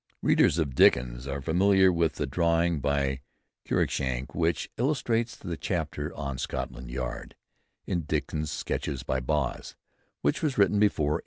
Readers of Dickens are familiar with the drawing by Cruikshank which illustrates the chapter on "Scotland Yard" in Dickens's "Sketches by Boz," which was written before 1836.